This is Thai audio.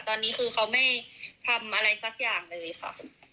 ตอนนี้คือเขาไม่ทำอะไรสักอย่างเลยค่ะ